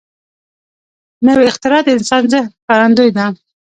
نوې اختراع د انسان ذهن ښکارندوی ده